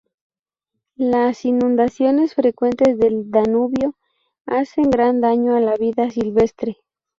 Las inundaciones frecuentes del Danubio hacen gran daño a la vida silvestre.